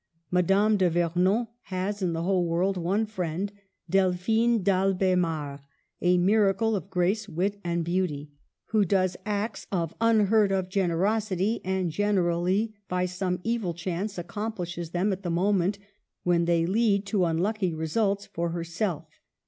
Madame de Vernon has in the whole world one friend, Delphine d' Alb6mar, a miracle of grace, wit, and beauty, who does acts of un heard of generosity, and generally by some evil chance accomplishes them at the moment when they lead to unlucky results for herself.